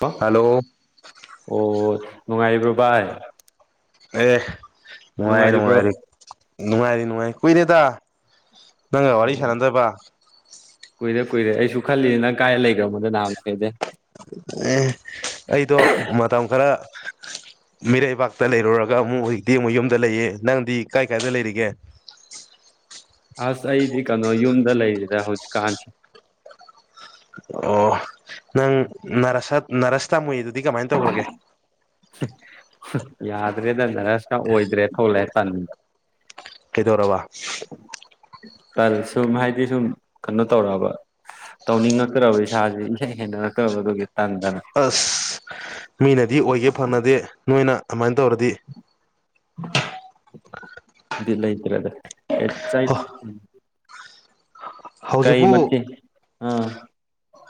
ꯂ‌ꯣ hello ꯑꯣ ꯅꯨꯡꯉꯥꯏꯔꯤꯕ꯭ꯔꯣ ꯚꯥꯏ ꯑꯦ ꯅꯨꯡꯉꯥꯏꯔꯤ ꯅꯨꯡꯉꯥꯏꯔꯤꯕ꯭ꯔꯣ ꯅꯨꯡꯉꯥꯏꯔꯤ ꯅꯨꯡꯉꯥꯏꯔꯤ ꯅꯨꯡꯉꯥꯏ ꯀꯨꯏꯔ‌ꯦꯗꯥ ꯅꯪꯒ ꯑꯣ ꯋꯥꯔꯤꯁꯥꯟꯅꯗꯕ ꯀꯨꯏꯔꯦ ꯀꯨꯏꯔꯦ ꯑꯩꯁꯨ ꯈꯜꯂꯤꯅ‌ꯦ ꯅꯪ ꯀꯥꯏ ꯂꯩꯈ꯭ꯔꯕꯣꯗ ꯅꯍꯥꯟ ꯃꯈꯩ ꯑꯦ ꯑꯩꯗꯣ ꯃꯇꯝ ꯈꯔ ꯃꯤꯔꯩꯕꯥꯛꯇ ꯂꯩꯔꯨꯔꯒ ꯑꯃꯨꯛ ꯍꯧꯖꯤꯛꯇꯤ ꯑꯃꯨꯛ ꯌꯨꯝꯗ ꯂꯩꯌꯦ ꯅꯪꯗꯤ ꯀꯥꯏ ꯀꯥꯏꯗ ꯂꯩꯔꯤꯒꯦ ꯑꯁ ꯑꯩꯗꯤ ꯀꯩꯅꯣ ꯌꯨꯝꯗ ꯂꯩꯔꯤꯗ ꯍꯧꯖꯤꯛꯀꯥꯟꯁꯤ ꯑꯣ ꯅꯪ ꯅꯔꯥꯁꯠ ꯅꯔꯁ ꯇꯝꯃꯨꯏꯗꯨꯗꯤ ꯀꯃꯥꯏꯅ ꯇꯧꯈ꯭ꯔꯒꯦ ꯌꯥꯗ꯭ꯔꯦꯗ ꯅꯔꯁꯀ ꯑꯣꯏꯗ꯭ꯔꯦ ꯊꯣꯛꯂꯛꯑꯦ ꯇꯟꯗꯅ ꯀꯩꯗꯧꯔꯕ [inaudible] ꯀ ꯁꯨꯝ ꯍꯥꯏꯗꯤ ꯁꯨꯝ ꯀꯩꯅꯣ ꯇꯧꯔꯛꯑꯕ ꯇꯧꯅꯤꯡꯉꯛꯇ꯭ꯔꯕ ꯏꯁꯥꯥꯁꯦ ꯏꯍꯩ ꯍꯩꯅꯔꯛꯇꯕ ꯑꯗꯨꯒꯤ ꯇꯟꯗꯅ ꯑꯁ ꯃꯤꯅꯗꯤ ꯑꯣꯏꯒꯦ ꯐꯪꯅꯗꯦ ꯅꯣꯏꯅ ꯑꯗꯨꯃꯥꯏꯅ ꯇꯧꯔꯗꯤ ꯕꯤꯠ ꯂꯩ [unintelligible] ꯀꯩ ꯆꯩ ꯀꯩ ꯍꯧꯖꯤꯛꯄꯨ ꯃꯊꯦꯜ ꯑꯥ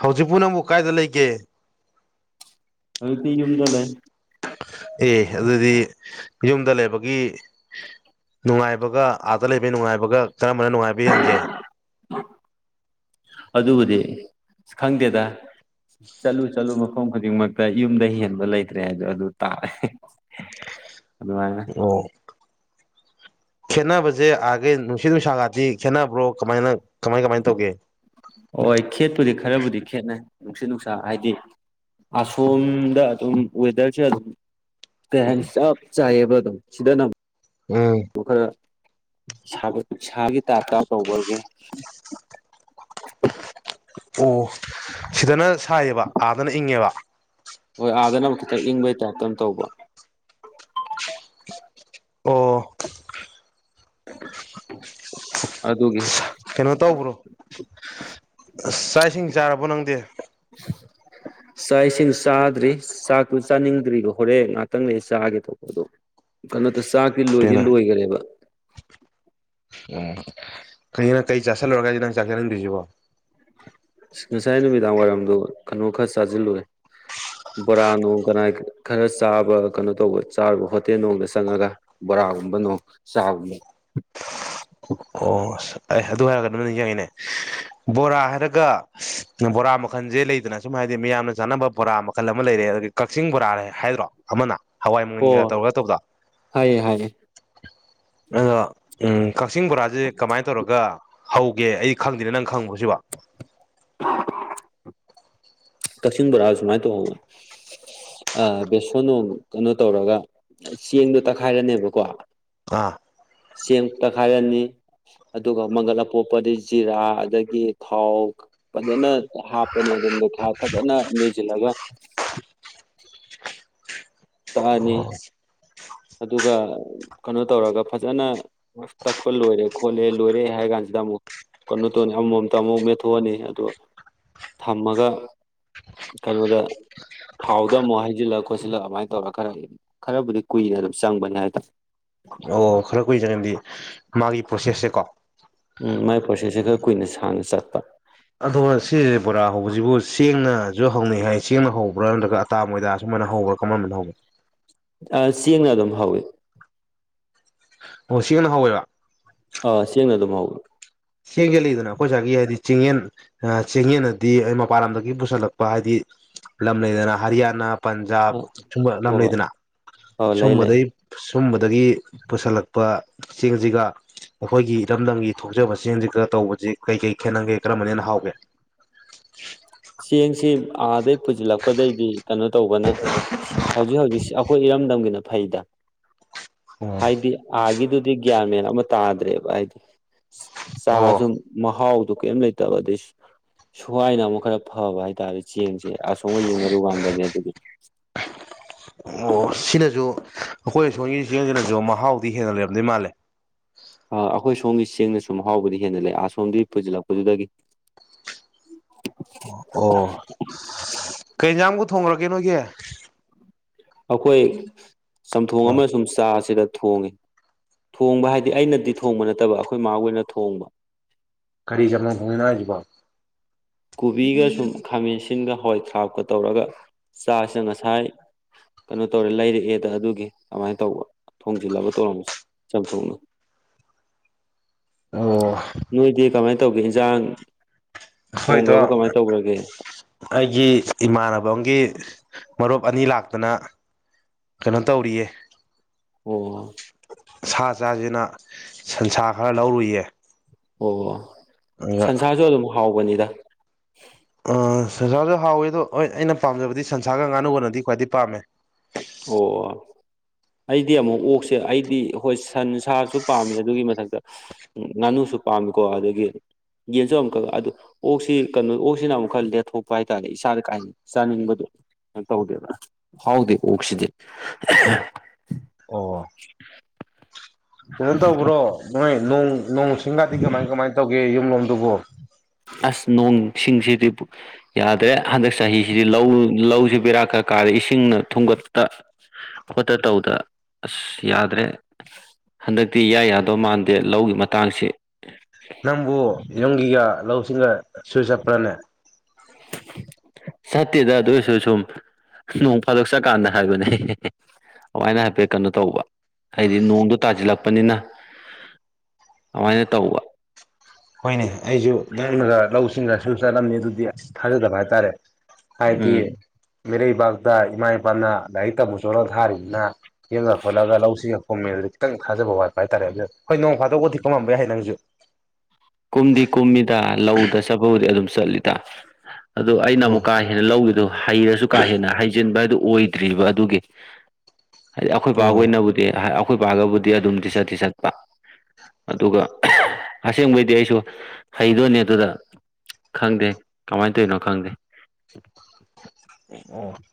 ꯍꯧꯖꯤꯛ ꯄꯨ ꯅꯪꯕꯨ ꯀꯥꯏꯗ ꯂꯩꯒꯦ ꯍꯧꯖꯤꯛꯇꯤ ꯌꯨꯝꯗ ꯂꯩ ꯑꯦ ꯑꯗꯨꯗꯤ ꯌꯨꯝꯗ ꯂꯩꯕꯒꯤ ꯅꯨꯡꯉꯥꯏꯕꯒ ꯑꯥꯗ ꯂꯩꯕꯒꯤ ꯅꯨꯡꯉꯥꯏꯕꯒ ꯀꯔꯝꯕꯅ ꯅꯨꯡꯉꯥꯏꯕ ꯍꯦꯟꯒꯦ ꯑꯗꯨꯕꯨꯗꯤ ꯑ ꯈꯪꯗꯦꯗ ꯆꯠꯂꯨ ꯆꯠꯂꯨ ꯃꯐꯝ ꯈꯨꯗꯤꯡꯃꯛꯇ ꯌꯨꯝꯗꯩ ꯍꯦꯟꯕ ꯂꯩꯇ꯭ꯔꯦ ꯍꯥꯏꯗꯣ ꯑꯗꯨ ꯇꯥꯔꯦ ꯑꯗꯨꯃꯥꯏꯅ ꯑꯣ ꯈꯦꯠꯅꯕꯁꯦ ꯑꯥꯒꯤ ꯅꯨꯡꯁꯤꯠ ꯅꯨꯡꯁꯥꯒꯗꯤ ꯈꯦꯠꯅꯕ꯭ꯔꯣ ꯀꯃꯥꯏꯅ ꯀꯃꯥꯏ ꯀꯃꯥꯏꯅ ꯇꯧꯒꯦ ꯄꯨꯗꯤ ꯈꯔꯕꯨꯗꯤ ꯈꯦꯠꯅꯩ ꯅꯨꯡꯁꯤꯠ ꯅꯨꯡꯁꯥ ꯍꯥꯏꯗꯤ ꯑꯁꯣꯝꯗ ꯑꯗꯨꯝ ꯋꯦꯗꯔꯁꯦ ꯑꯗꯨꯝ ꯀꯩ ꯍꯥꯏꯅꯤ ꯆꯞ ꯆꯥꯏꯌꯦꯕ ꯑꯗꯨꯝ ꯁꯤꯗꯅ ꯎꯝ [unintelligible] ꯁꯥꯒꯦ ꯇꯥꯏꯞꯇ ꯇꯧꯕꯒꯦ ꯑꯣ ꯁꯤꯗꯅ ꯁꯥꯏꯌꯦꯕ ꯑꯥꯗꯅ ꯏꯪꯉꯦꯕ ꯍꯣꯏ ꯑꯥꯗꯅ ꯈꯤꯇꯪ ꯏꯪꯕꯩ ꯇꯥꯏꯞꯇ ꯇꯧꯕ ꯑꯣ ꯑꯗꯨꯒꯤ ꯀꯩꯅꯣ ꯇꯧꯕ꯭ꯔꯣ ꯆꯥꯛ ꯏꯁꯤꯡ ꯆꯥꯔꯕꯣ ꯅꯪꯗꯤ ꯆꯥꯛ ꯏꯁꯤꯡ ꯆꯥꯗ꯭ꯔꯤ ꯆꯥꯛꯇꯨ ꯆꯥꯅꯤꯡꯗ꯭ꯔꯤꯕ ꯍꯣꯔꯦꯟ ꯉꯍꯥꯛꯇꯪ ꯂꯩ ꯆꯥꯒꯦ ꯇꯧꯕꯗ ꯀꯩꯅꯣ ꯑ ꯆꯥꯛꯇꯤ ꯂꯣꯏꯗꯤ ꯀꯩꯅꯣ ꯂꯣꯏꯒꯔꯦꯕ ꯑꯣ ꯀꯅꯣ ꯀꯩ ꯆꯥꯁꯤꯜꯂꯨꯔꯒ ꯍꯥꯏꯗꯤ ꯅꯪ ꯆꯥꯛ ꯆꯥꯅꯤꯡꯗ꯭ꯔꯤꯁꯤꯕꯣ ꯉꯁꯥꯏ ꯅꯨꯃꯤꯗꯥꯡ ꯋꯥꯏꯔꯝꯗ ꯀꯩꯅꯣ ꯈꯔ ꯆꯥꯁꯤꯜꯂꯨꯔꯦ ꯕꯣꯔꯥꯅꯣ ꯀꯅꯥ ꯈꯔ ꯆꯥꯕ ꯀꯩꯅꯣ ꯇꯧꯕ ꯆꯥꯕ ꯍꯣꯇꯦꯜ ꯅꯨꯡꯗ ꯆꯪꯉꯒ ꯕꯣꯔꯥꯒꯨꯝꯕꯅꯣ ꯆꯥꯒꯨꯝꯕ ꯑꯣꯁ ꯑꯩ ꯑꯗꯨ ꯍꯥꯏꯔꯒ ꯑꯗꯨꯝꯅ ꯅꯤꯡꯁꯤꯡꯉꯤꯅꯦ ꯕꯣꯔꯥ ꯍꯥꯏꯔꯒ ꯕꯣꯔꯥ ꯃꯈꯜꯁꯦ ꯂꯩꯗꯅ ꯁꯨꯝ ꯍꯥꯏꯗꯤ ꯃꯤꯌꯥꯝꯅ ꯆꯥꯅꯕ ꯕꯣꯔꯥ ꯃꯈꯜ ꯑꯃ ꯂꯩꯔꯦ ꯑꯗꯒꯤ ꯀꯛꯆꯤꯡ ꯕꯣꯔꯥ ꯍꯥꯏꯗ꯭ꯔꯣ ꯑꯃꯅ ꯍꯋꯥꯏ ꯑꯣ ꯃꯪꯒꯟꯒ ꯇꯧꯔꯒ ꯍꯥꯏꯑꯌꯦ ꯍꯥꯏꯑꯌꯦ ꯑ ꯎꯝ ꯀꯛꯆꯤꯡꯕꯣꯔꯥ ꯍꯧꯒꯦ ꯑꯩ ꯈꯪꯗꯦꯅꯦ ꯅꯪ ꯈꯪꯉꯣ ꯁꯤꯕ ꯑ ꯀꯛꯆꯤꯡ ꯕꯣꯔꯥ ꯁꯨꯃꯥꯏꯅ ꯇꯧꯕꯅꯤ ꯑꯥ ꯕꯦꯁꯣꯟ ꯅꯣꯡ ꯀꯅꯣ ꯇꯧꯔꯒ ꯆꯦꯡꯗꯣ ꯇꯛꯈꯥꯏꯔꯅꯦꯕꯀꯣ꯫ ꯑꯥ꯫ ꯆꯦꯡ ꯇꯛꯈꯥꯏꯔꯅꯤ ꯑꯗꯨꯒ ꯃꯪꯒꯜ ꯑꯄꯣꯄꯗꯤ ꯖꯤꯔꯥ ꯑꯗꯒꯤ ꯊꯥꯎ ꯐꯖꯅ ꯍꯥꯞꯄꯅꯤ ꯑꯗꯨ ꯐꯖꯅ ꯅꯣꯏꯖꯤꯜꯂꯒ꯫ ꯇꯛꯑꯅꯤ ꯑꯣ ꯑꯣ꫰꫰ ꯑꯗꯨꯒ ꯀꯩꯅꯣ ꯇꯧꯔꯒ ꯐꯖꯅ ꯇꯛꯄ ꯂꯣꯏꯔꯦ ꯈꯣꯠꯂꯦ ꯂꯣꯏꯔꯦ ꯍꯥꯏ ꯀꯥꯟꯁꯤꯗ ꯑꯃꯨꯛ ꯀꯩꯅꯣ ꯇꯧꯅꯤ ꯑꯃꯃꯝꯇ ꯑꯃꯨꯛ ꯃꯦꯠꯊꯣꯛꯑꯅꯤ ꯑꯗꯨ ꯊꯝꯃꯒ ꯀꯩꯅꯣꯗ ꯊꯥꯎꯗ ꯑꯃꯨꯛ ꯍꯩꯖꯤꯜꯂ ꯈꯣꯠꯁꯤꯜꯂ ꯑꯗꯨꯃꯥꯏ ꯇꯧꯔ ꯈꯔ ꯈꯔꯕꯨꯗꯤ ꯀꯨꯏꯅ ꯑꯗꯨꯝ ꯆꯪꯕꯅꯦ ꯍꯥꯏꯇꯥꯔꯦ꯫ ꯑꯣ ꯈꯔ ꯀꯨꯏꯅ ꯆꯪꯉꯦꯗꯤ ꯃꯥꯒꯤ ꯄ꯭ꯔꯣꯁꯦꯁ ꯁꯦꯀꯣ꯫ ꯎꯝ ꯃꯥꯏ ꯄ꯭ꯔꯣꯁꯦꯁꯁꯦ ꯈꯔ ꯀꯨꯏꯅ ꯁꯥꯡꯅ ꯆꯠꯄ꯫ ꯑꯗꯣ ꯁꯤꯁꯦ ꯕꯣꯔꯥ ꯍꯧꯕꯁꯤꯕꯨ ꯆꯦꯡꯅꯁꯨ ꯍꯧꯅꯩ ꯍꯥꯏ ꯆꯦꯡꯅ ꯍꯧꯕ꯭ꯔꯥ ꯅꯠꯇ꯭ꯔꯒ ꯑꯇꯥ ꯃꯣꯏꯗꯥ ꯁꯨꯃꯥꯏꯅ ꯍꯧꯕ꯭ꯔꯥ ꯀꯔꯝꯕꯅ ꯍꯧꯒꯦ꫰꫰ ꯆꯦꯡꯅ ꯑꯗꯨꯝ ꯍꯧꯏ꫰꫰ ꯑꯣ ꯆꯦꯡꯅ ꯍꯧꯋꯦꯕ꯫ ꯑꯥ ꯆꯦꯡꯅ ꯑꯗꯨꯝ ꯍꯧꯏ꯫ ꯆꯦꯡꯖꯦꯂꯩꯗꯅ ꯑꯩꯈꯣꯏ ꯁꯨꯋꯥꯏꯒꯤ ꯍꯥꯏꯗꯤ ꯆꯦꯡꯌꯦꯟ ꯆꯦꯡꯌꯦꯟꯑꯗꯤ ꯑ ꯃꯄꯥꯟ ꯂꯝꯗꯒꯤ ꯄꯨꯁꯤꯜꯂꯛꯄ ꯍꯥꯏꯗꯤ ꯂꯝ ꯂꯩꯗꯅ ꯍꯔꯤꯌꯥꯅꯥ ꯄꯟꯖꯥꯕ ꯑ ꯁꯨꯝꯕ ꯂꯝ ꯍꯣꯏ ꯍꯣꯏ ꯂꯩꯗꯅ ꯑꯧ ꯂꯩ ꯂꯩ ꯁꯨꯝꯕꯗꯩ ꯁꯨꯝꯕ ꯗꯒꯤ ꯄꯨꯁꯤꯜꯂꯛꯄ ꯆꯦꯡꯁꯤꯒ ꯑꯩꯈꯣꯏꯒꯤ ꯏꯔꯝꯗꯝꯒꯤ ꯊꯣꯛꯆꯕ꯫ ꯆꯦꯡꯁꯤꯒ ꯇꯧꯕꯁꯤ ꯀꯩꯀꯩ ꯈꯦꯠꯅꯒꯦ ꯀꯔꯝꯕꯅ ꯍꯦꯅ ꯍꯥꯎꯒꯦ? ꯆꯦꯡꯁꯤ꯫ ꯑꯥꯗꯩꯩ꯫ ꯄꯨꯁꯤꯜꯂꯛꯄꯗꯩꯗꯤ ꯀꯩꯅꯣ ꯇꯧꯕꯅ ꯍꯧꯖꯤꯛ ꯍꯧꯖꯤꯛ ꯑꯩꯈꯣꯏ ꯏꯔꯝꯗꯝꯒꯤꯅ꯫ ꯐꯩꯗ꯫ ꯍꯥꯏꯗꯤ ꯑꯥꯒꯤꯗꯨ ꯒ꯭ꯌꯥꯟ ꯃꯦꯟ ꯑꯃ ꯇꯥꯗ꯭ꯔꯦꯕ ꯍꯥꯏꯗꯤ꯫ ꯑꯣ ꯆꯥꯁꯨ ꯃꯍꯥꯎꯗꯨ ꯀꯩꯝ ꯂꯩꯇꯕ ꯑꯗꯩ ꯁꯨꯋꯥꯥꯏꯅ ꯑꯃꯨꯛ ꯈꯔ꯫ ꯐꯕ ꯍꯥꯏꯇꯥꯔꯦ ꯆꯦꯡꯁꯦ꯫ ꯑꯁꯣꯝꯒ ꯌꯦꯡꯅꯔꯨ ꯀꯥꯟꯗꯅꯦ ꯑꯗꯨꯗꯤ꯫ [inaudible] ꯑꯣ ꯁꯤꯅꯁꯨ ꯑꯩꯈꯣꯏ ꯁꯣꯝꯒꯤ ꯆꯦꯡꯁꯤꯅꯁꯨ ꯃꯍꯥꯎꯗꯤ ꯍꯦꯟꯅ ꯂꯩꯔꯝꯗꯣꯏ ꯃꯥꯜꯂꯦ꯫ ꯑ ꯑꯩꯈꯣꯏ ꯁꯣꯝꯒꯤ ꯆꯦꯡꯅ ꯁꯨꯝ ꯃꯍꯥꯎꯕꯨꯗꯤ ꯍꯦꯟꯅ ꯂꯩꯁꯣꯝꯗꯤ ꯄꯨꯁꯤꯜꯂꯛꯄꯗꯨꯗꯒꯤ꯫ ꯑꯣ ꯀꯩ ꯌꯦꯡꯖꯥꯡ ꯕꯨ ꯊꯣꯡꯂ ꯒꯦ ꯅꯣꯏꯒꯤ꯫ ꯑꯩꯈꯣꯏ ꯆꯝꯊꯣꯡ ꯑꯣ ꯑꯃꯁꯨꯡ ꯆꯥꯁꯤꯗ꯫ ꯊꯣꯡꯉꯤ ꯊꯣꯡꯕ ꯍꯥꯏꯗꯤ ꯑꯩꯅꯗꯤ ꯊꯣꯡꯕ ꯅꯠꯇꯕ ꯑꯩꯈꯣꯏ ꯃꯥ ꯍꯣꯏꯅ ꯊꯣꯡꯕ꯫ ꯀꯔꯤ ꯆꯝꯊꯣꯡ ꯊꯣꯡꯉꯤꯅꯣ ꯍꯥꯏꯁꯤꯕꯣ꯫ ꯀꯣꯕꯤꯒ ꯁꯨꯝ ꯈꯥꯃꯦꯟꯁꯤꯟ ꯁꯤꯟꯒ ꯍꯋꯥꯏ ꯊ꯭ꯔꯥꯞꯀ ꯇꯧꯔꯒ ꯆꯥꯁꯤꯅ ꯉꯁꯥꯏ ꯀꯩꯅꯣ ꯇꯧꯔꯦ ꯂꯩꯔꯛꯑꯦꯗ ꯑꯗꯨꯒꯤ ꯑꯃꯥꯏꯅ ꯇꯧꯕ ꯊꯣꯡꯖꯤꯜꯂꯕ ꯇꯧ ꯂꯧꯅ ꯆꯥꯝꯊꯣꯡ ꯑꯣꯏꯅ꯫ ꯑꯣ ꯅꯣꯏꯗꯤ ꯀꯃꯥꯏꯟ ꯫ ꯇꯧꯒꯦ ꯌꯦꯟꯁꯥꯡ ꯍꯣꯏꯗꯣ ꯑꯩꯒꯤ ꯏꯃꯥꯟꯅꯕ ꯑꯃꯒꯤ ꯃꯔꯨꯞ ꯑꯅꯤ ꯂꯥꯛꯇꯅ ꯀꯩꯅꯣ ꯇꯧꯔꯤꯌꯦ ꯑꯣ ꯁꯥ ꯆꯥꯁꯤꯅ ꯁꯟꯁꯥ ꯈꯔ ꯂꯧꯔꯨꯏꯌꯦ ꯑꯣ ꯁꯟꯁꯥꯁꯨ ꯑꯗꯨꯝ ꯍꯥꯎꯕꯅꯤꯗ [inaudible] ꯑ ꯁꯟꯁꯥꯔꯁꯨ ꯍꯥꯎꯋꯦ ꯑꯗꯣ ꯍꯣꯏ ꯑꯩꯅ ꯄꯥꯝꯖꯕꯗꯤ ꯁꯟꯁꯥꯒ ꯉꯥꯅꯨꯅꯗꯤ ꯈ꯭ꯋꯥꯏꯗꯒꯤ ꯄꯥꯝꯃꯦ ꯑꯣ ꯑꯩꯗꯤ ꯑꯃꯨꯛ ꯑꯣꯛꯁꯦ ꯑꯩꯗꯤ ꯍꯣꯏ ꯁꯟ ꯁꯥꯁꯨ ꯄꯥꯝꯃꯤ ꯑꯗꯨꯒꯤ ꯃꯊꯛꯇ ꯉꯥꯅꯨꯁꯨ ꯄꯥꯝꯃꯤꯀꯣ ꯑꯗꯨꯗꯒꯤ ꯌꯦꯟꯁꯨ ꯑꯃꯨꯛꯀꯛ ꯑꯗꯨ ꯑꯣꯛꯁꯤ ꯀꯩꯅꯣ ꯑꯣꯛꯁꯤꯅ ꯑꯃꯨꯛ ꯈꯔ ꯂꯦꯠꯊꯣꯛꯄ ꯍꯥꯏꯇꯥꯥꯔꯗꯤ ꯏꯁꯥꯗ ꯀꯥꯏ ꯆꯥꯅꯤꯡꯕꯗꯣ ꯇꯧꯗꯦꯕ ꯍꯥꯎꯗꯦ ꯑꯣꯣꯛꯁꯤꯗꯤ ꯍꯨꯡ ꯇ ꯄꯨꯕ꯭ꯔꯣ ꯅꯣꯏ ꯅꯣꯡ ꯅꯣꯡ ꯁꯤꯡꯒꯗꯤ ꯀꯃꯥꯏ ꯀꯃꯥꯏꯅ ꯇꯧꯒꯦ ꯅꯟꯗꯕꯣ ꯑꯁ ꯅꯣꯡꯁꯤꯡꯁꯤꯗꯤ ꯌꯥꯗ꯭ꯔꯦ ꯍꯟꯗꯛ ꯆꯍꯤꯁꯤꯗꯤ ꯂꯧ ꯂꯧꯁꯤ ꯕꯦꯔꯥꯛ ꯈꯔ ꯀꯥꯗꯦ ꯏꯁꯤꯡꯅ ꯊꯨꯝꯒꯠꯇ ꯈꯠꯇ ꯇꯧꯗ ꯑꯁ ꯌꯥꯗ꯭ꯔꯦ ꯍꯟꯗꯛꯇꯤ ꯏꯌꯥ ꯌꯥꯗꯧ ꯃꯥꯟꯗꯦ ꯂꯧꯒꯤ ꯃꯇꯥꯡꯁꯤ ꯅꯪꯕꯨ ꯌꯤꯒ ꯂ ꯂꯧꯁꯤ ꯁꯤ ꯁꯨꯏꯁꯄꯔꯅꯦꯦ ꯆꯠꯇꯦꯗ ꯑꯗꯨ ꯑꯣꯏꯔꯁꯨ ꯁꯨꯝ ꯅꯣꯡ ꯐꯥꯗꯣꯛ ꯆꯠꯀꯥꯟꯗ ꯍꯥꯏꯕꯅꯦ ꯑꯗꯨꯃꯥꯏꯅ ꯍꯥꯏꯐꯦꯠ ꯀꯩꯅꯣ ꯇꯧꯕ ꯍꯥꯏꯗꯤ ꯅꯣꯡꯗꯣ ꯇꯥꯁꯤꯜꯂꯛꯄꯅꯤꯅ ꯑꯗꯨꯃꯥꯏꯅ ꯇꯧꯕ ꯍꯣꯏꯅꯦ ꯑꯩꯁꯨ ꯅꯥꯡꯃꯒ ꯂꯧꯁꯤ ꯁꯤꯁꯤꯡꯁꯨ ꯆꯠꯂꯝꯃꯤ ꯑꯗꯨꯗꯤ ꯑꯁ ꯊꯥꯖꯗꯕ ꯍꯥꯏꯇꯥꯔꯦ ꯍꯥꯏꯗꯤ ꯎꯝ ꯃꯤꯔꯩꯕꯥꯛꯇ ꯏꯃꯥ ꯏꯄꯥꯅ ꯂꯥꯏꯔꯤꯛ ꯇꯝꯝꯕ ꯆꯣꯠꯂꯒ ꯊꯥꯔꯤꯕꯅꯤꯅ ꯌꯦꯡꯉ ꯈꯣꯠꯂꯒ ꯂꯧꯁꯤꯡꯒ ꯈꯣꯡꯃꯦ ꯑꯗꯨꯗꯤ ꯈꯤꯇꯪ ꯊꯥꯖꯕ ꯋꯥꯠꯄ ꯍꯥꯏꯇꯥꯔꯦ ꯑꯗꯨ ꯍꯣꯏ ꯅꯣꯡ ꯐꯥꯗꯣꯛꯄꯗꯤ ꯀꯝꯃꯝꯕ ꯌꯥꯏ ꯅꯪꯁꯨ ꯀꯨꯝꯗꯤ ꯀꯨꯝꯃꯤꯗ ꯂꯧꯗ ꯆꯄꯕꯨꯗꯤ ꯑꯗꯨꯝ ꯆꯠꯂꯤꯗ ꯑꯗꯨ ꯑꯩꯅ ꯑꯣ ꯑꯃꯨꯛ ꯀꯥ ꯍꯦꯟꯅ ꯂꯧꯈꯤꯗꯣ ꯍꯩꯔꯁꯨ ꯀꯥ ꯍꯦꯟꯅ ꯍꯩꯖ ꯍꯤꯖꯤꯟꯕ ꯍꯥꯏꯗꯨ ꯑꯣꯏꯗ꯭ꯔꯤꯕ ꯑꯗꯨꯒꯤ ꯍꯥꯏꯗꯤ ꯑꯩꯈꯣꯏ ꯄꯥꯕ ꯑꯣ ꯑꯣꯏꯅꯕꯨꯗꯤ ꯑꯩꯈꯣꯏ ꯄꯥꯒꯕꯨꯗꯤ ꯑꯗꯨꯝꯗꯤꯤ ꯆꯠ ꯊꯤ ꯆꯠꯄ ꯑꯗꯨꯒ ꯑꯁꯦꯡꯕꯩ ꯗꯤ ꯑꯩꯁꯨ ꯍꯩꯗꯣꯏꯅꯦ ꯑꯗꯨꯗ ꯈꯪꯗꯦ ꯀꯃꯥꯏꯅ ꯇꯧꯔꯤꯅꯣ ꯈꯪꯗꯦ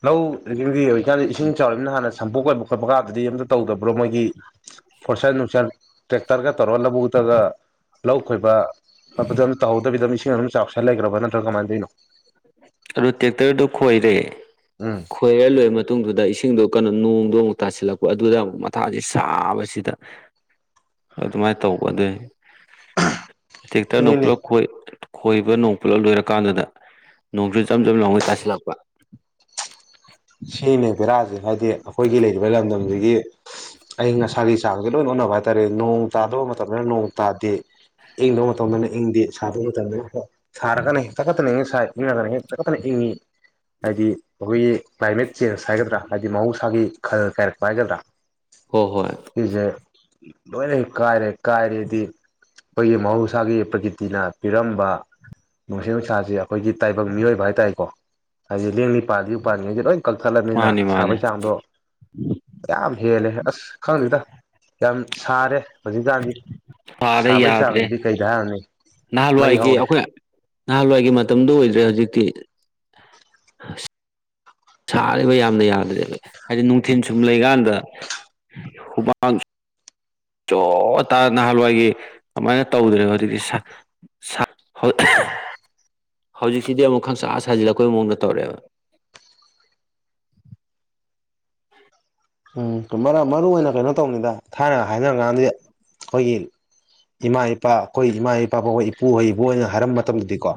ꯑꯣ ꯂꯧꯒꯤ ꯑꯣꯏꯖꯤꯛꯀꯥꯟꯗꯤ ꯏꯁꯤꯡ ꯆꯥꯎꯃꯤꯅꯤꯅ ꯍꯥꯟꯅ ꯁꯝꯄꯨ ꯀꯣꯏꯕ ꯈꯣꯠꯄ ꯀꯥꯟꯗꯗꯤ ꯑꯝꯇ ꯇꯧꯗꯕ꯭ꯔꯣ ꯃꯣꯏꯒꯤ ꯐꯣꯔꯁꯟ ꯅꯨꯡꯁꯥꯏ ꯇ꯭ꯔꯦꯛꯇꯔꯒ ꯇꯧꯔꯒ ꯂꯧꯕꯨꯛꯇꯒ ꯂꯧ ꯈꯣꯏꯕ ꯈꯣꯠꯄꯗ ꯇꯧꯍꯧꯗꯕꯤꯗ ꯏꯁꯤꯡ ꯑꯗꯨꯝ ꯆꯥꯎꯁꯟ ꯂꯩꯈ꯭ꯔꯕ ꯅꯠꯇ꯭ꯔꯥ ꯀꯃꯥꯏꯅ ꯇꯧꯔꯤꯅꯣ ꯑꯗꯨ ꯇ꯭ꯔꯦꯛꯇꯔꯗꯨ ꯈꯣꯏꯔꯦ ꯎꯝ ꯈꯣꯏꯍꯜꯂꯣꯏꯔ ꯃꯇꯨꯡꯗꯨꯗ ꯏꯁꯤꯡ ꯁꯤꯡꯗꯣ ꯀꯩꯅꯣ ꯅꯣꯡꯗꯣ ꯑꯃꯨꯛ ꯇꯥꯁꯤꯜꯂꯛꯄ ꯑꯗꯨꯗ ꯑꯃꯨꯛ ꯃꯊꯥꯁꯦ ꯁꯥꯕꯁꯤꯗ ꯑꯗꯨꯃꯥꯏꯅ ꯇꯧꯕ ꯑꯗꯨꯏ ꯛꯇꯔ ꯅ ꯁꯤꯅꯤꯅꯦ ꯎꯂꯣ ꯑꯣꯏꯣꯏ ꯈꯣꯏꯕ ꯅꯣꯡ ꯄꯨꯜꯂꯞ ꯂꯣꯏꯔꯀꯥꯟꯗꯨꯗ ꯅꯣꯡꯆꯨ ꯆꯝ ꯆꯝ ꯂꯉꯩ ꯇꯥꯁꯤꯜꯂꯛꯄ ꯁꯤꯅꯦ ꯕꯦꯔꯥꯁꯦ ꯍꯥꯏꯗꯤ ꯑꯩꯈꯣꯏꯒꯤ ꯂꯩꯔꯤꯕ ꯂꯝꯗꯝꯁꯤꯒꯤ ꯑꯏꯪ ꯑꯁꯥꯒꯤ ꯆꯥꯡꯁꯦ ꯂꯣꯏ ꯑꯣꯟꯅꯕ ꯍꯥꯏꯇꯥꯔꯦ ꯅꯣꯡ ꯇꯥꯗꯕ ꯃꯇꯝꯗꯅ ꯅꯣꯡ ꯇꯥꯗꯦ ꯏꯪꯗꯕ ꯃꯇꯝꯗꯅ ꯏꯪꯗꯦ ꯁꯥꯗꯕ ꯃꯇꯝꯗꯅ ꯁꯥꯔꯒꯅ ꯍꯦꯛꯇ ꯀꯠꯇꯅ ꯏꯪꯉꯒꯅ ꯍꯦꯛꯇ ꯀꯠꯇꯅ ꯏꯪꯉꯤ ꯍꯥꯏꯗꯤ ꯑꯩꯈꯣꯏꯒꯤ ꯀ꯭ꯂꯥꯏꯃꯦꯠ ꯆꯦꯟꯖ ꯍꯥꯏꯒꯗ꯭ꯔꯥ ꯍꯥꯏꯕꯗꯤ ꯃꯍꯧꯁꯥꯒꯤ ꯈꯜ ꯀꯥꯏꯔꯛꯄ ꯍꯥꯏꯒꯗ꯭ꯔꯥ ꯍ ꯍꯣꯏ ꯅꯦ ꯀꯥꯔꯦ ꯀꯥꯔꯗꯤ ꯑꯩꯈꯣꯏꯒꯤ ꯃꯍꯧꯁꯥꯒꯤ ꯄ꯭ꯔꯀꯤꯇꯤꯅ ꯄꯤꯔꯝꯕ ꯅꯨꯡꯁꯥ ꯅꯨꯡꯁꯥꯁꯤ ꯑꯩꯈꯣꯏꯒꯤ ꯇꯥꯏꯕꯪ ꯃꯤꯑꯣꯏꯕ ꯍꯥꯏꯇꯥꯔꯦꯀꯣ ꯍꯥꯏꯗꯤ ꯂꯦꯡꯅꯤ ꯄꯥꯗꯤ ꯄꯥꯅꯤꯉꯩ ꯀꯛꯊꯠꯂꯅꯤꯅ ꯃꯥꯅꯤ ꯃꯥꯅꯤ ꯁꯥꯕꯩ ꯆꯥꯡꯗꯣ ꯌꯥꯝ ꯍꯦꯜꯂꯦ ꯑꯁ ꯈꯪꯗꯦꯗ ꯌꯥꯝ ꯁꯥꯔꯦ ꯍꯧꯖꯤꯛꯀꯥꯟꯗꯤ ꯁꯥꯔꯦ ꯁꯥꯕꯩ ꯌꯥꯗ꯭ꯔꯦ ꯆꯥꯕꯅꯤꯗꯤ ꯀꯩꯗ ꯍꯥꯏꯔꯅꯤ ꯅꯍꯥꯟꯋꯥꯏꯒꯤ ꯑꯩꯈꯣꯏ ꯅꯍꯥꯟꯋꯥꯏꯒꯤ ꯃꯇꯝꯗꯨꯣ ꯑꯣꯏꯗ꯭ꯔꯦ ꯍꯧꯖꯤꯛꯇꯤ ꯑ ꯁꯥꯔꯤꯕ ꯌꯥꯝꯅ ꯌꯥꯗ꯭ꯔꯦꯕ ꯍꯥꯏꯗꯤ ꯅꯨꯡꯊꯤꯜ ꯁꯨꯝ ꯂꯩꯀꯥꯟꯗ ꯍꯨꯃꯥꯡ ꯆꯣ ꯇꯥ ꯅꯍꯥꯟꯋꯥꯏꯒꯤ ꯑꯗꯨꯃꯥꯏꯅ ꯇꯧꯗ꯭ꯔꯦꯕ ꯍꯧꯖꯤꯛꯇꯤ ꯍꯧꯖꯤꯛꯁꯤꯗꯤ ꯑꯃꯨꯛ ꯈꯪꯁꯥ ꯁꯥꯖꯤꯜꯂꯛꯄꯩ ꯃꯑꯣꯡꯗ ꯇꯧꯔꯛꯑꯦꯕ ꯎꯝ ꯃꯔꯨꯏ ꯑꯣꯏꯅ ꯀꯩꯅꯣ ꯇꯧꯕꯅꯤꯗ ꯊꯥꯏꯅ ꯍꯥꯏꯅꯔꯀꯥꯟꯗꯤ ꯑꯩꯈꯣꯏꯒꯤ ꯏꯃꯥ ꯏꯄꯥ ꯑꯩꯈꯣꯏ ꯏꯃꯥ ꯏꯄꯥ ꯑꯩꯈꯣꯏ ꯏꯄꯨ ꯍꯩꯕ ꯑꯣꯏꯅ ꯍꯥꯏꯔꯝꯕ ꯃꯇꯝꯗꯗꯤꯀꯣ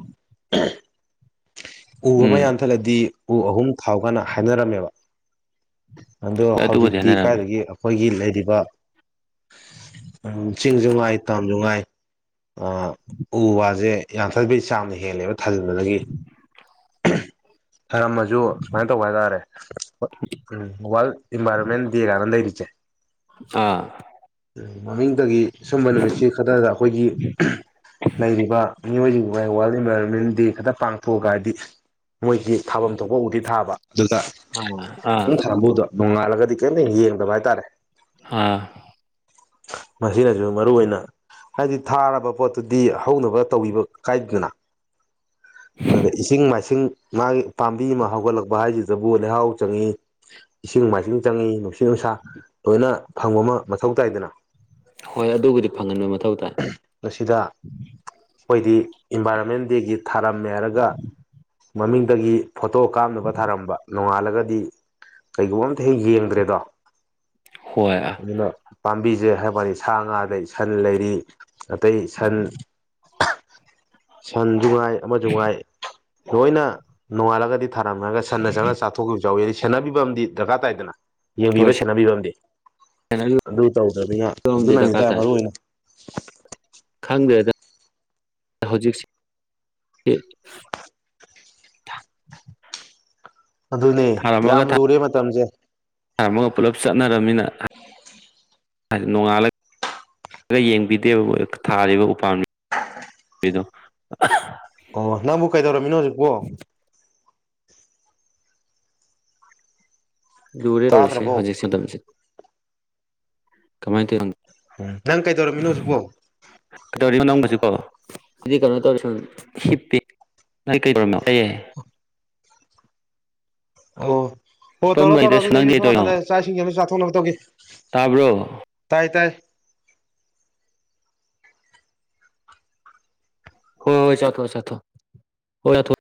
ꯎꯕ ꯑꯃ ꯎꯝ ꯌꯥꯟꯊꯠꯂꯗꯤ ꯎ ꯑꯍꯨꯝ ꯊꯥꯎꯒꯥꯟꯅ ꯍꯥꯏꯅꯔꯝꯃꯦꯕ ꯑꯗꯣ ꯍꯣꯏ ꯑꯗꯨꯕꯨꯗꯤ ꯍꯧꯖꯤꯛꯇꯤ ꯍꯥꯏꯅꯔꯝꯃꯤ ꯀꯥꯏꯗꯒꯤ ꯑꯩꯈꯣꯏꯒꯤ ꯂꯩꯔꯤꯕ ꯆꯤꯡꯖꯨꯡꯉꯥꯏ ꯇꯥꯝꯖꯨꯉꯥꯏ ꯎ ꯋꯥꯁꯦ ꯌꯥꯡꯊꯩ ꯆ ꯌꯥꯝꯝꯅ ꯍꯦꯜꯂꯦꯕ ꯊꯥꯖꯤꯟꯕꯗꯒꯤ [inaudible] ꯊꯔꯝꯃꯁꯨ ꯁꯨꯃꯥꯏꯅ ꯇꯧꯕ ꯍꯥꯏꯇꯥꯔꯦ ꯋꯥꯔꯜ ꯏꯟꯚꯥꯏꯔꯣꯟꯃꯦꯟ ꯗꯦ ꯀꯥꯏꯅ ꯂꯩꯔꯤꯁꯦ [inaudible] ꯑꯥ ꯃꯃꯤꯡꯗꯒꯤ ꯁꯨꯝꯕ ꯅꯨꯃꯤꯠꯁꯤ ꯈꯛꯇꯗ ꯑꯩꯈꯣꯏꯒꯤ ꯂꯩꯔꯤꯕ ꯃꯤꯑꯣꯏꯁꯤꯡ ꯑꯩꯈꯣꯏ ꯋꯥꯔꯜꯟꯚꯔꯣꯟꯃꯦꯟ ꯗꯦ ꯈ ꯄꯥꯡ ꯄꯒꯗꯤ ꯃꯣꯏꯗꯤ ꯊꯥꯐꯝ ꯊꯣꯛꯄꯕꯨꯗꯤ ꯊꯥꯕ ꯑꯗꯨꯗ ꯑꯥ ꯑꯥ ꯉ ꯊꯥꯝꯕꯗꯣ ꯅꯣꯡꯉꯥꯜꯂꯒꯗꯤ ꯀꯔꯤꯝꯇ ꯌꯦꯡꯗꯕ ꯍꯥꯏꯇꯥꯔꯦ ꯑꯥ ꯃꯁꯤꯅꯁꯨ ꯃꯔꯨꯑꯣꯏ ꯑꯣꯏꯅ ꯍꯥꯏꯗꯤ ꯊꯥꯔꯕ ꯄꯣꯠꯇꯨꯗꯤ ꯍꯧꯅꯕ ꯇꯧꯕꯤꯕ ꯀꯥꯏꯗꯗꯅ ꯑꯗꯨꯗ ꯏꯁꯤꯡ ꯃꯥꯏꯁꯤꯡ ꯃꯥꯒꯤ ꯄꯥꯝꯕꯤ ꯑꯃ ꯍꯧꯒꯠꯂꯛꯄ ꯍꯥꯏꯁꯤ ꯕꯨ ꯂꯩꯍꯥꯎ ꯆꯪꯉꯤ ꯏꯁꯤꯡ ꯃꯥꯏꯁꯤꯡ ꯆꯪꯏꯤ ꯅꯨꯡꯁꯤ ꯁꯤ ꯅꯨꯡꯁꯥ ꯂꯣꯏꯅ ꯐꯪꯕ ꯑꯃ ꯃꯊꯧ ꯇꯥꯏꯗꯅ ꯍꯣꯏ ꯑꯗꯨꯕꯨꯗꯤ ꯐꯪꯍꯟꯕ ꯃꯊꯧ ꯇꯥꯏ ꯃꯁꯤꯗ ꯑꯩꯈꯣꯏꯗꯤ ꯏꯟꯚꯥꯏꯔꯣꯟꯃꯦꯟ ꯗꯦꯒꯤ ꯊꯥꯔꯝꯃꯦ ꯍꯥꯏꯔꯒ ꯃꯃꯤꯡꯗꯒꯤ ꯐꯣꯇꯣ ꯀꯥꯞꯅꯕ ꯊꯥꯔꯝꯕ ꯅꯣꯡꯉꯥꯜꯂꯒꯗꯤ ꯀꯩꯒꯨꯝꯕ ꯈꯤ ꯍꯦꯛ ꯌꯦꯡꯗ꯭ꯔꯦꯗꯣ ꯍꯣꯏ ꯑꯗꯨꯅ ꯄꯥꯝꯕꯤꯁꯦ ꯍꯥꯏꯕꯅꯤ ꯁꯥ ꯉꯥꯗ ꯏꯁꯟ ꯂꯩꯔꯤ ꯑꯇꯩ ꯁꯟ ꯁꯟꯗ ꯖꯨꯉꯥꯏ ꯑꯃ ꯖꯅꯨꯡ ꯉꯥꯏ ꯍꯣꯏꯅ ꯅꯣꯡꯉꯥꯂꯒꯗꯤ ꯊꯥꯔꯝꯂꯒ ꯁꯟꯅ ꯆꯅ ꯆꯥꯊꯣꯛꯈꯤꯕ ꯆꯥꯎꯋꯦꯗꯤ ꯁꯦꯟꯅꯕꯤꯕ ꯑꯃꯗꯤ ꯗꯔꯀꯥꯔ ꯇꯥꯏꯗꯅ ꯌꯦꯡꯕꯤꯕ ꯍꯣꯏ ꯁꯦꯟꯅꯕꯤꯕꯝ ꯑꯗꯨ ꯇꯧꯗ꯭ꯔꯕꯅꯤꯅ ꯑꯃꯗꯤ ꯑꯗꯨꯅꯅꯤ ꯗꯔꯀꯥꯔ ꯇ ꯇꯥꯏ ꯃꯔꯨ ꯑꯣꯏꯅ ꯗ ꯍꯧꯖꯤꯛ ꯑꯗꯨꯅꯦ ꯌꯥꯝ ꯂꯨꯔꯦ ꯃꯇꯝꯁꯦ ꯊꯝ ꯑꯃꯒ ꯄꯨꯂꯞ ꯆꯠꯅꯔꯝꯅꯤꯅ ꯅꯣꯡꯉꯥꯜꯂꯒ ꯌꯦꯡꯕꯤꯗꯦꯕ ꯊꯥꯔꯤꯕ ꯎꯄꯥꯝ [unintelligible] ꯀꯗꯣ ꯑꯣ ꯅꯪꯕꯨ ꯀꯩꯗꯧꯔꯝꯃꯤꯅꯣ ꯍꯧꯖꯤꯛꯄꯣ ꯂꯔ ꯑꯣꯏꯁ ꯇꯥꯗ꯭ꯔꯕꯣ ꯍꯧꯖꯤꯛ ꯁꯗꯁꯤ ꯀꯃꯥꯏ ꯇ ꯎꯝ ꯅꯪ ꯀꯩꯗꯧꯔꯝꯃꯤꯅꯣ ꯍꯧꯖꯤꯛꯕꯣ ꯑꯣ ꯑꯗꯨꯗꯤ ꯀꯩꯅꯣ ꯇꯧꯔꯤꯞ ꯑꯣ ꯑꯣ ꯇꯧꯔꯣ ꯇꯧꯔꯣ ꯍꯤꯞꯄꯝꯕꯅꯤꯗ ꯑꯗꯨꯗꯤ ꯅꯪꯗꯤ ꯑꯩꯁꯨ ꯁꯣꯝ ꯀꯩꯗꯧꯔꯤꯅꯣ ꯅꯥꯀꯟꯗ ꯆꯥꯛ ꯏꯁꯤꯡꯁꯤꯦꯅ ꯆꯥꯊꯣꯛꯅꯕ ꯇꯧꯈꯤ ꯇꯥꯕ꯭ꯔꯣ ꯇꯥꯏ ꯇꯥꯏ ꯍ ꯍꯣꯏ ꯆꯠꯊꯣ ꯆꯊꯣ ꯍ ꯌꯥꯣ